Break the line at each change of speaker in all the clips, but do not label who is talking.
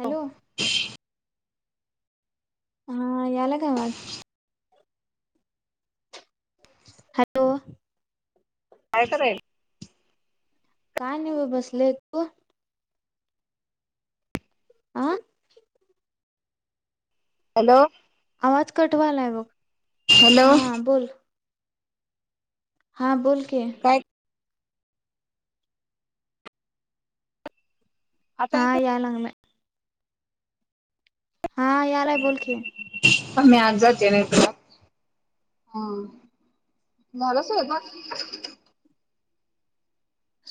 Hello हा याला का आवाज हॅलो
काय खरय [unintelligible]
काय नाहीव बसले त आं
हॅलो
आवाज कटवाला आहे
हॅलो
हा बोल हां बोल की
काय आता
हा
येतोय?
यालांग माय [inaudible] हा याला आहे बोल की
मी आज जाते ना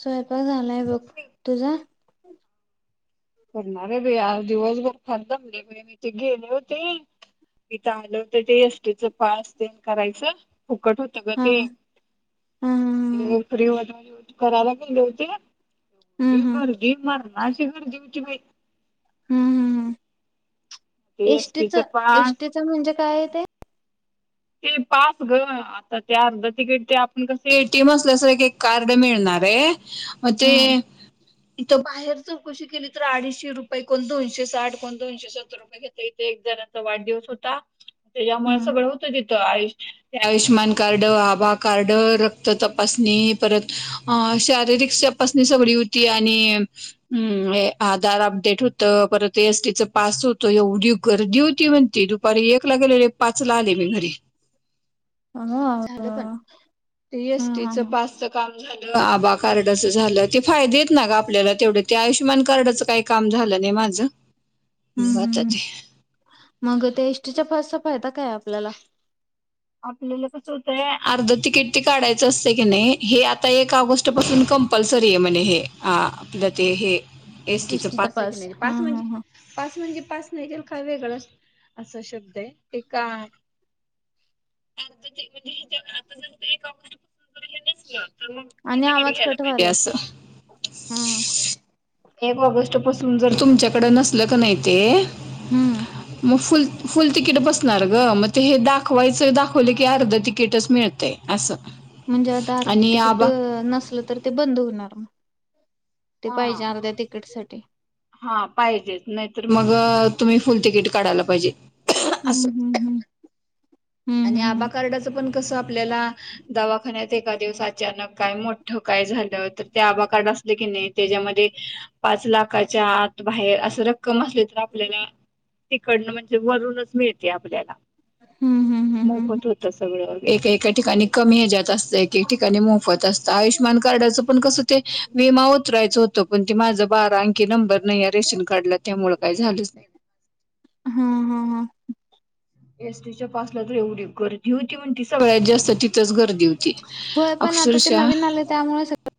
स हो झालाय बघ तुझा
करणार आहे बाई आज दिवसभर खान जमले मी तेे गेले होते. इथं आले होते ते एसटीच पास ते करायचं. फुकट होत ग
हा
ते
हा हा ह हम्म
फ्री होत मगं करायला गेले होते.
हम्म
एवढी
हम्म
गर्दी मरणाची गर्दी हो कि मी
हम्म हम्म हम्म
ते
एष्टीच
एसटीच पास
एष्टटीच म्हणजे काय आहे ते?
ते पास ग आता ते अर्ध तिकीट ते आपण कस एटीम असल्यास एक कार्ड मिळणार आहे. मग
हा
ते इथं बाहेर चौकशी केली तर अडीशे रुपये, कोण दोनशे साठ, कोण दोनशे सत्तर रुपये घेतय इथे एक जणांचा वाढदिवस होता. ते
हा
यामुळे सगळं आयुष्यमान, कार्ड आभा कार्ड, रक्त तपासणी परत अ शारीरिक तपासणी सगळी होती आणि अ आधार अपडेट होत परत ए एसटीच पास होतं एवढी गर्दी होती म्हणती दुपारी एक ला गेलेले पाच ला आले. घरी
अगं
झालं पण
अगं.
ते
हा
एसटी
हा
च
हा.
पासच काम [inaudible] आबा कार्डच झालं ते फायदे ना ग आपल्याला तेवढं ते आयुष्यमान कार्डचं काही काम झालं नाही माझं मग
हम्म
आता
हम्म्
ते
मग त्या इष्टीच्या पासच फायदा काय आपल्याला?
आपल्याला कस होतंय अर्ध तिकीट ते काढायचं असतय कणी हे आता एक ऑगस्ट पासून कंपल्सरी आहे म्हने हे आपलं ते हे एसटीच
एसटीचा
पास आहे की नाही
हा
पास
हा
म्हणजे
हा
पास म्हणजे पास नाहील काय वेगळंच अस शब्द आहे ते का आ ते म्हणजे आता जर हेस ना तर मग
आणि
फुकट तिकीट
आवाज
घ्यायला
कट
पाहिजे
व्हायलाय
असं
हा
एक ऑगस्ट पासून जर तुमच्याकड नसल का नाही ते
हम्म
मग फुल फुल तिकीट बसणार ग मग ते हे दाखवायचं. दाखवलं की अर्ध तिकीटच मिळतय असं
म्हणजे आता अर्ध
आणि
तिकिट
आबा
नसलं तर ते बंद होणार मग ते
हा
पाहिजे अर्ध्या तिकीट साठी
हा पाहिजे नाहीतर मग अ तुम्ही फुल तिकीट काढायला पाहिजे.
हम्म
असं
हम्म हम्म
आणि
हम्म
आबा कार्डाचं पण कसं आपल्याला दवाखान्यात एका दिवस अचानक काय मोठ ठोकाय झालं तर ते आभा कार्ड असलं की नाही त्याच्यामध्ये पाच लाख काच्या आत बाहेर असं रख कम असले तर आपल्यालाळ तिकडनं, म्हणजे वरूनच मिळते आपल्याला
हम्म हम्म हम्म हम्म हम्म हम्म.
मोफत होतं सगळं एके एका ठिकाणी कमी हच्यात असतं एकक ठिकाणी मोफत असतं आयुष्यमान कार्डाचं पण कसं ते विमा उतरायचं होतं पण ते माझं बारा आणंखी नंबर नाही आहे रेशन कार्डला त्यामुळ काही झालंच नाही.
हा हा हा.
एसटीच्या पासला तर एवढी गर्दी होती म्हणतीसा सगळ्यात जास्त तिथंच गर्दी होती. अक्षरशः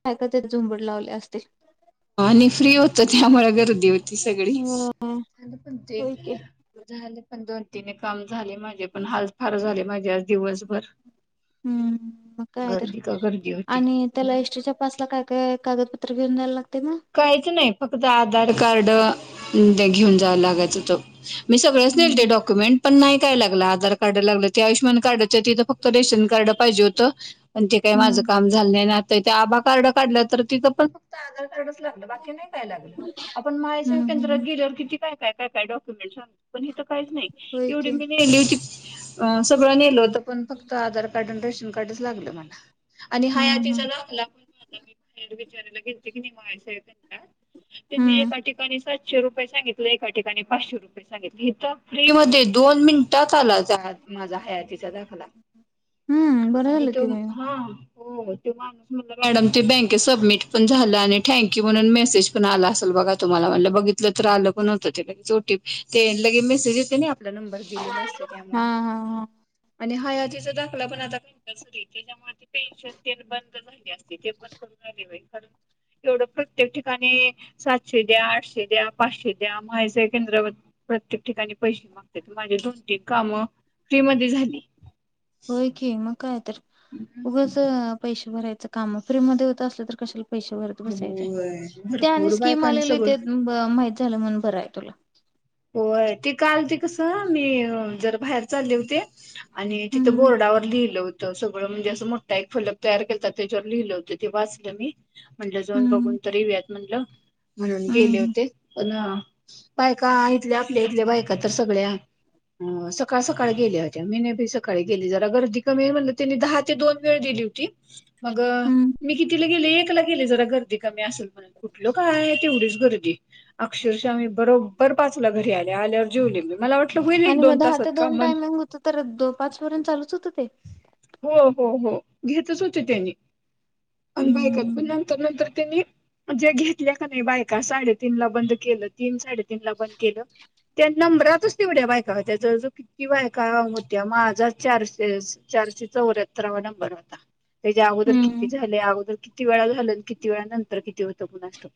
काय का ते झुंबड लावले असते.
आणि फ्री होत त्यामुळे गर्दी होती सगळी,
हो
झालं पण ते
होय की.
झालं पण दोनतीने काम झाले माझे पण हाल फार झाले माझे आज दिवस भर
हम्म मग काय तर
गर्दी होती.
आणि त्याला एषटीच्या पासला काय काय? कागदपत्रला घेऊन यायला
काहीच नाही फक्त आधार कार्ड घेऊन जावं लागायचं त मी सगळंच नेल ते
हम्म.
डॉक्युमेंट पण नाय काय लागलं आधार कार्ड लागलं ते आयुषमान कार्डच्या तिथंत फ रेशन कार्ड पाहिजे हो त पण ते काही
हम्म
माझं काम झालं नाहीय ना, आ आभा कार्ड काढलं तर तिथं पण फक्त आधार कार्ड ह [unintelligible] बाकी नाही काय लाग आपण माहीव
हम्म हम्म.
केंद्रात
हम्म
गेल्यावर किती काय काय काय काय डाॅक्युमेंटस सांग कि पण हे तर काहीच नाही,
होय
एवढी
की.
मी नेली होती अस सगळं नेलं होत, पण फक्त आधार कार्ड न रेशनकार्ड कार्डच लागल मला आणि हा या
हम्म
तिचा
हम्म
लाखला म्हण मला मी बाहेर विचारयला घे [unintelligible] ते मी
हम्म
एका ठिकाणी सातशे रुपये सांगितल एका ठिकाणी पाचशे रुपये, सांगितले इथ फ्री मधे दोन मिनिटात आला, माझा हयातीचा दाखला
हम्म बरं
आणि
झालं
तो
की बाई मग.
हा हो तो माणूस म्हणला, मॅडम ते बँकत सबमिट पण झालं आणि थँक्यू म्हणून मेसेज पण आला असेल बघा तुम्हाला म्हण बघितलं तर आलं पण होतं ते लगेचो टी ते लगे मेसेज येते. आपला नंबर दिलेला
हा
असत त्यामुळं.
हा हा
आणि हयातीचा दाखला पण आता कंपलसरीये त्याच्यामुळ पेन्शन तेन बंद झाली अस तिथे पण करूनराली बाई. ख एवढं प्रत्येक ठिकाणी सातशे द्या आठशे द्या पाचशे द्या माझ्या केंद्रावर प्रत्येक ठिकाणी पैसे मागते माझे दोन तीन कामं फ्री मध्ये झाली.
होयखे मका य. उगाच पैसे भरायच. काम फ्री मध्ये होत असल तर कशाला पैशे भरत बसायचय.
होय
ते आणि
भरपूर
स्किम
बायकांनी
आलेली
सगळं
म म्हाईत झाल म्हणून. बरं आहे तुला.
होय ते काल ते कसं मी जर बाहेर चालले होते. आणि तिथे
हम्म
बोर्डावर लिहिलं होत. सगळं म्हणजे असं मोठा एक फलक तयार केलाात त्याच्यावर लिहिलं होते ते वाचलं मी. म्हणलं जन बघून
हम्म
तर युयात. म्हणलं. म्हणून गेले
हम्म
होते पण पाय का? का इथल्या आपल्या इथल्या बायका तर सगळ्या सकाळ सकाळ गेल्या होत्या मी नाई बी सकाळी गेले जरा गर्दी कमी म्हणल त्यांनी दहा ते दोन वेळ दिली होती. मग
हम्म
मी कितीला गेले एक ला गेले. गेली जरा गर्दी कमी असेल म्हणल. कुठल काय तेवढीच गर्दी, अक्षरश आम्ही बरोब बर पाचला घरी आले. आल्यावर जेवलि मी मला वाट
आणि मग दहा ते दोन टायमिंग होत तर दो पाच पर्यंत चालूच होत ते?
हो हो हो घेतच होते ते बी. अण बायकत पण
हम्म
नंतर नंतर त्यांनी जे घेतले का नाही बायका साडे तीन ला बंद केलं तीन साडे तन ला बंद केलं त्या नंबरातच तेवड्या बायका होत्या जवळ जवळ कित्ती बायका होत्या. माझाच चारशे चारशे चौऱ्याहत्तरावा नंबर होता. त्याज्या अगोदर किती
हम्म
झाले अगोदर किती वेळा झालं किती वेळा नंतर किती होतं कुणाच ठाऊक?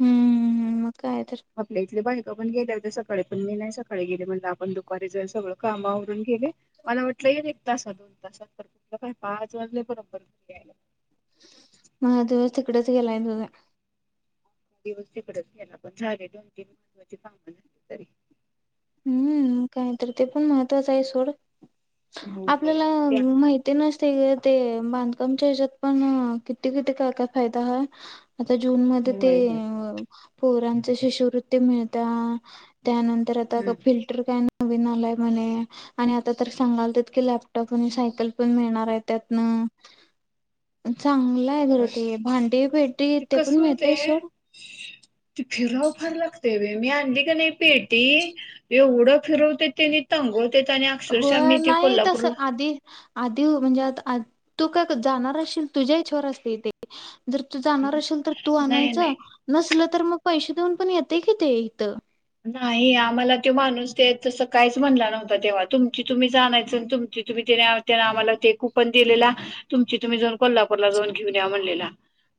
हम्म मग काय तर.
आपल्या इथले बायक पण गेल्या होत्या सकाळी पण मी नाही सकाळी गेले म्हणल आपण दुपारी जऊ सगळं कामावरून गेले मला वाटलं येल एक तासात दोन तासात तर कुठलं काय पाच वाजले बरोबर घरीयायला.
म दिवस तकडेच गलाय त.
दिवस् तकडेचला पण झाले दोन तीन महत्त्वाची कामं झाली तरी
हम्म काय तर ते पण महत्त्वाचं आहे सोड
होय
आपल्याला
त्या
माहिती नस ते बांधकामच्या हच्यात पण किती किती काय काय फायदा ह आता जून मध्ये ते
होय होय.
अ पोरांचे शिष्यवृत्ती मिळ त्या त्यानंत
हम्म.
[unintelligible] फिल्टर काय ना नवीन आलय म्हणे आणि आता तर सांगाल तितके लॅपटॉप आणि सायकल पण मिळणार आहे त्यातन. चांगलंय बर
होय
ते भांडी पेटी ते पण
कसं
मिळतंय स
होतंय ते फिराव फार लागतंय बाई मी आणली का नाही पे ते येवढं फिरवते ति नी [unintelligible] तेच आणि अक्षरशः
होय
मी ते
नाही तसं
कोल्हापूरला
आधी आधी व म्हंजे आता आ तू काय क जाणार असशील तुझ्या इच्छेवर असतेय ते. जर तू जाणार अशेल तर तू
नाही नाही
आणायचं नसलं तर मगं पैशे देऊन पण येतेय कि ते इथं.
नाई आम्हाला त्यो माणूस ते तसं काहीच म्हणला नव्हता तेव्हा, तुमची तुम्ही चं आणायचं तुम तुम्ही ते ला ते ला आम्हाला ते कुपन दिलेला तुमची तुम्ही जाऊन कोल्हापूरला जाऊन घेऊन या म्हणलेला.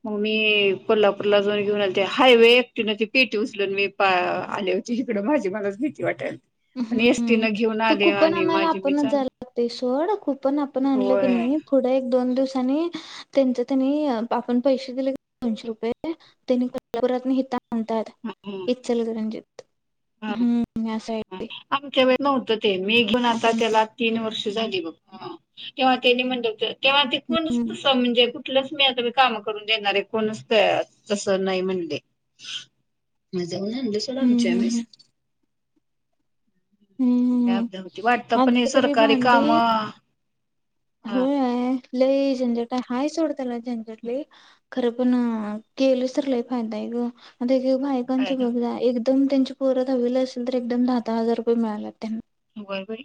म मी कोल्हापूरला जाऊन घेऊन आलती हायवे एकटीन ती पेटी उचलून मी पार आले होती हिकड माझी मलाच भीती वाटायल
हम्म हम्म ते कूपण आणयला
माझी मी
आपणच
जाण
जा लागते. ते सोड कूपण आपण आणलं की
होय.
नाहीं फुढ एक दोन दिवस त्यानी त्यांच त्यानी आ आपण पैशे दिले दोनशे रुपये त्यांनी [unintelligible] म्हणतायत इचलकंरजित. हम्म. [unintelligible]
हं आमच्यात [unintelligible] ते मी घेऊन आता त्याला तीन वर्ष झाली बघ हां तेव्हा त्यांनी म्हणलं होतं त तेव्हा ते कोण
हम्म
[unintelligible] कुठलच मी आता काम करून देणारेय कोणच तसं नाही म्हणले. [unintelligible]
हम्म
आमची आम्हीच.
हम्म हम्म
ते
हम्म
आपल्या भोवती वाटतं पण हे
आता तरी
सरकारी काम
भांडी होय. लई झंझटय हाय सोड त्याला झंजट लई. खरं पण अ केलंच तर लई फायदा हाये ग अ ते
काय
[unintelligible] एकदम त्यांच पोर दहावीला असेल तर एकदम दहा दहा हजार रुपये मिळालात त्यांना.
बाई बाई!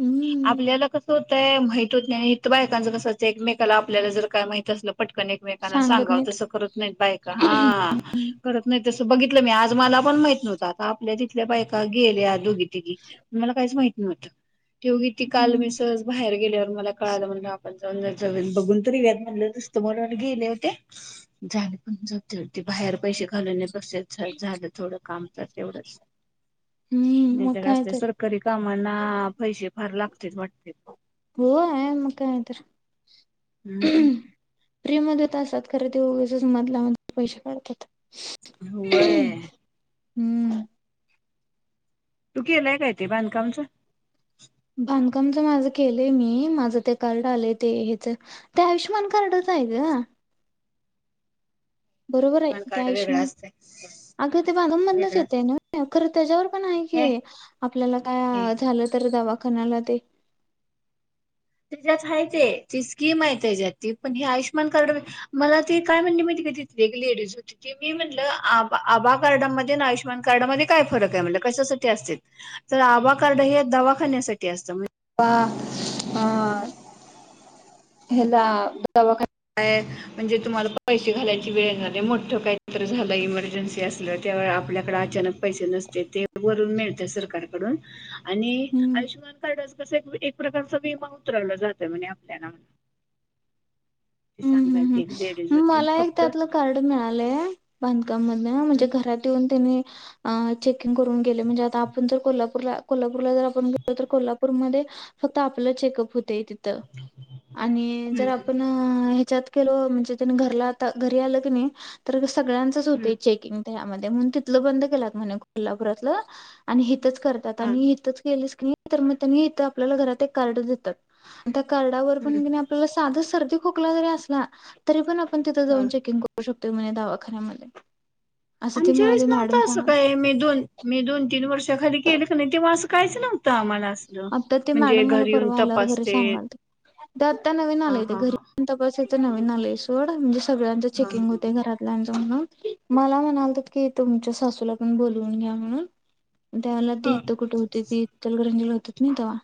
हम्म
आपल्याला कस होत ते माहीत नाही बायकांच कसं ते एकमेकाला आपल्याला जर काय माहित असलं पटकन एकमेकांना
सांगत
सांगाव
नाहीत
तसं करत नाही बायका हा करत नाही तसं बघितलं मी आज मला पण माहित नव्हत आता आपल्या तिथल्या बायका गेल्या दोघी तिघी काहीच माहित नाही वाटत ते उगीच ती
हम्म
काल मी सहज बाहेर गेल्यावर मला कळालं म्हणगे आपण दोन चार वेळेस बघून तरी याव म्हणलं असतं म्हणून गेले होते झाले पण जते होते बाहेर पैसे घालव तसेच झा झाल थोडं काम तर तेवढंच
हम्म म काय
ते
तर
सरकारी कामांना पैसे फार लागत तेच वाटते
हो आहे म काय तर
हम्म हम हम
फ्री मध्येत असतात खरं तेगच मधलामधे पैसे काढतात
होय
हम्म
तू केलाय काय ते बांधकामच
बांधकामच माझं केलंय मी माझं ते कार्ड आलं ते हेच ते आयुष्यमान कार्डच आहे ग बरोबर आहे
पॅन
ते
कार्ड वेगळा
आयुष्यमान
असतय
अगं ते बनंमधूनच
वेगळा
येत आहे
असतय
ना खर त्याच्यावर पण आहे की
हे
आपल्याला
हे
काय झालं तर दवाखाना खणाला ते
त्याच्यात ह ती स्कीम आहे त्याच्यात पण हे आयुष्यमान कार्ड मला त काय म्हण मी ते तथ लेडीज होती त मी म्हणलं आभा कार्डामध्ये आयुष्यमान कार्डामध्ये काय फरक आहे म्हटलेकशासाठी असते तर आभा कार्ड हे दवाखान्यासाठी असतं अ हयाला दवाखान्यात म्हणजे तुम्हाला पैसे घालायची वेळ येणार नाही मोठ काहीत झालं इमर्जन्सी ते असलं ते आपल्याकडें अचानक पैसे नसते ते वरून मिळत सरकारकडून आणि
हम्म
आयुष्यमान कार्ड तसे एक प्रकारच भीमा उतरलं जात म्हणज आपल्या ना
हम्म
सांगा
हम्म मला एक त्यातलं कार्ड मिळालंय बांधकाम मधन म्हणजे घरात येऊन त्यांनी चेकिंग करून गेले म्हणजे आता आपण जर कोल्हापूरला कोल्हापूरला जर आपण गेलो तर कोल्हापूरमध्ये फक्त आपलं चेकअप होतय तिथ आणि जर आपण जात केलो म्हणजे घरला आता घरी आलं कनी सगळ्यांचच होते चेकिंगमध्ये म्हणून तिथल बंद केल्यात म्हन कोल्हापुरातल आणि हि च करतात
हा
आणि इथच केलीस कनी तर मग त्यांनी इथे आपल्याला घरात एक कार्ड देतात कार्डवर पण कनी आपल्याला साध सर खोकला जरी असला तरी पण आपण तिथ जाऊन
हा
चेकिंग करू शको ते म्हणे दावाखान्यामध्ये
आमच्या वेळेस नव्हत असं काही मे दोन मे दोन तीन वर्ष त्याच्या खाली के नाही तेव्हा असं कायचं नव्हत
आता ते मॅडम मला परवा आल्यावर घरी
तपासते
सांगालत्या ते आत्ता नवीन
हा
आलेय ते
हा हा
घरी तपसायच ते नवीन आलय सोड म्ह सगळ्यांचं चेकिंग होत घरातल्यांच म्हन मला म्हणालतीत की तुमच्या सासूला पण बोलवून घ्या म्हणून त्या वेळला ते
हा
इथं कुठे होती ती जीला होतो कनी तेव्हा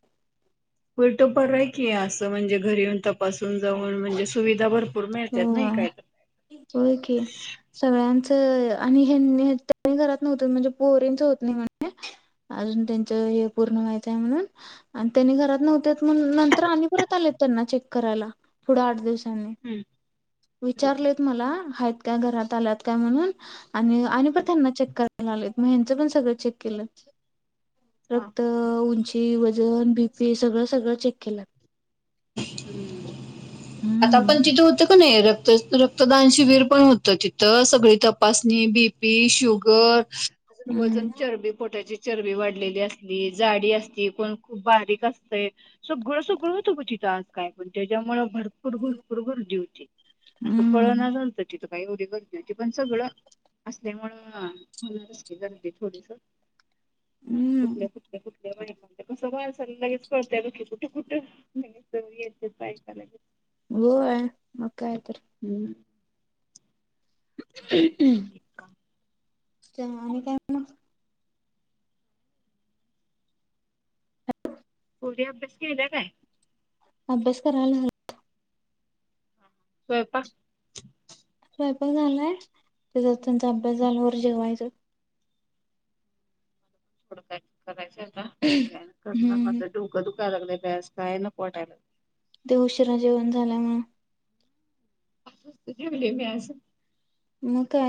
उलट परय कि आस असं म्हणजे घरी येऊन तपास जाऊन म्हणजे सुविधा भरपूर मिळतात नाही
होय
काय तर.
होय की सगळ्यांच आणि हेंनी घरात नव्हत म्हणजे पोरींच होत नाही म्हण अजून त्यांचे हे पूर्ण व्हायचंय म्हणून आणि त्यांनी घरात न्हवते म्हणून नंतर आणि परत आलेत त्यांना चेक करायला पूढ आठ दिव
हम्म
विचारलेत मला हायेत का घरात आलात का म्हणून आणि आणि परत त्यांना चेक कर मग ह्यांचं पण सगळं चेक केलंत
हा.
रक्त उंची ते वजन बी पी सगळ सगळं चेक अखला
आता आपण
हम्म
तिथे का नाही रक्त रक् मक्तदान शिबीर पण तर तिथं सगळी तपासणी बीपी, शुगर, अजून वजून
हम्म
चरबी पोटाची. चरबी वाढलेली असली, जाडी असती, कोण खूप बारीक असतय, सगळं सगळं होत ग तिथ काय पण त्याच्यामुळ भरपूर भरपूर गर्दी होती, असं कळना
हम्म
झालं तिथं काही एवढी गर्दी होती पण सगळं असल्यामुं गर्दी थोडीस. कुठले
हम्म
कुठलेुठले कसं बारसाला लगेच कळते कुठं येत्यात बाईक आलय.
हो मग काय तर. [unintelligible] च आणि काय म्हणा
मुली अभ्यास केला काय?
अभ्यास करायला
स्वयंपाक.
स्वयंपाक झालंय, त्याचात त्यांचा अभ्यास झाल्यावर जेवायचं.
डय कय [unintelligible] ह रहणा करला
हम्म
मज डोका दु दुखायला लागले, असं काय नको वाटायला लागले.
ते उशिरा जेवण झाल्यामुळ.
आत्ताच जेवली मी आज.
म काय,